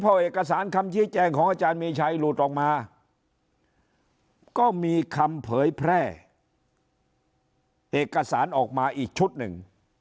พอเอกสารคำชี้แจงของอาจารย์มีชัยหลุดออกมาก็มีคำเผยแพร่เอกสารออกมาอีกชุดหนึ่ง